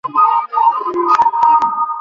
আমি বরং কফিটা শেষ করি।